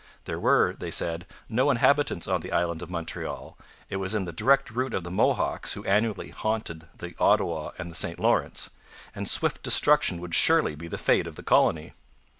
There were, they said, no inhabitants on the island of Montreal, it was in the direct route of the Mohawks, who annually haunted the Ottawa and St Lawrence, and swift destruction would surely be the fate of the colony.